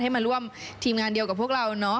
ให้มาร่วมทีมงานเดียวกับพวกเรา